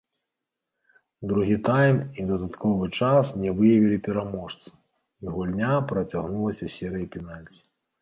Другі тайм і дадатковы час не выявілі пераможцу, і гульня працягнулася серыяй пенальці.